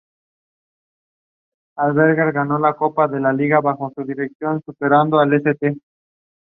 Albergaba una sala con armas y una docena de hombres podían mantenerlo.